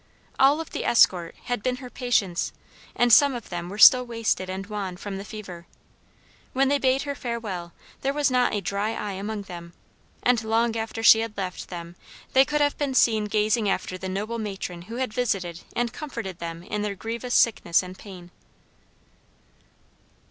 All of the escort had been her patients and some of them were still wasted and wan from the fever. When they bade her farewell there was not a dry eye among them, and long after she had left them they could have been seen gazing after the noble matron who had visited and comforted them in their grievous sickness and pain.